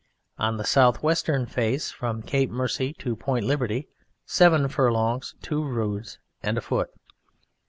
On the south western face from Cape Mercy (q.v.) to Point Liberty (q.v.), seven furlongs, two roods and a foot.